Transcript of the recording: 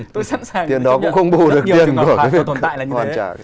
tiền đó cũng không bù được tiền của việc hoàn trang